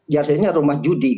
jrc nya rumah judi